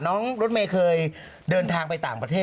รถเมย์เคยเดินทางไปต่างประเทศ